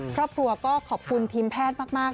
ครอบครัวก็ขอบคุณทีมแพทย์มาก